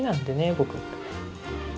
僕。